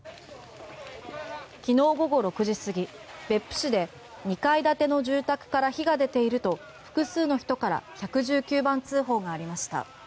きのう午後６時すぎ別府市で２階建ての住宅から火が出ていると複数の人から１１９番通報がありました。